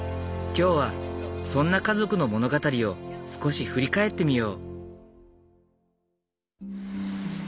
今日はそんな家族の物語を少し振り返ってみよう。